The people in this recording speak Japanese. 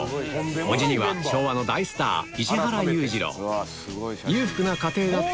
おじには昭和の大スター石原裕次郎